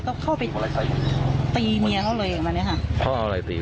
เขาเข้าไปตีเนียเขาเลยไปไหนฮะพอเราอะไรตีพี่